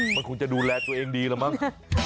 มันคงจะดูแลตัวเองดีแล้วมั้ง